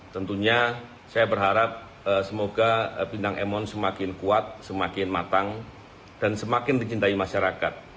tentunya saya berharap semoga bintang emon semakin kuat semakin matang dan semakin dicintai masyarakat